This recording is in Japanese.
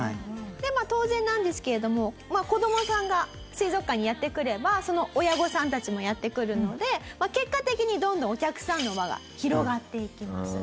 まあ当然なんですけれども子どもさんが水族館にやって来ればその親御さんたちもやって来るので結果的にどんどんお客さんの輪が広がっていきます。